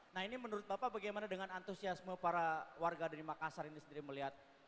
nah ini menurut bapak bagaimana dengan antusiasme para warga dari makassar ini sendiri melihat